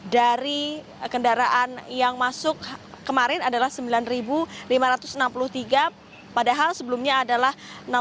dari kendaraan yang masuk kemarin adalah sembilan lima ratus enam puluh tiga padahal sebelumnya adalah enam belas delapan ratus tiga puluh satu